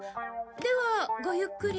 ではごゆっくり。